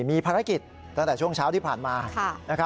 มีภารกิจตั้งแต่ช่วงเช้าที่ผ่านมา